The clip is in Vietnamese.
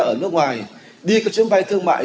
ở nước ngoài đi các chuyến bay thương mại